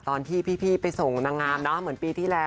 ตอนที่พี่ไปส่งนางงามเนอะเหมือนปีที่แล้ว